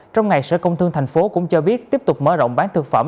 trong ngày sở công thương thành phố cũng cho biết tiếp tục mở rộng bán thực phẩm